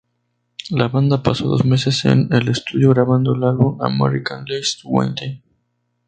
La banda pasó dos meses en el estudio grabando el álbum "America's Least Wanted".